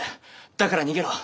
だから逃げろ。